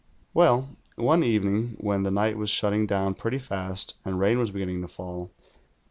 "Well, one evening when the night was shutting down pretty fast and rain was beginning to fall.